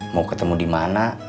mau ketemu di mana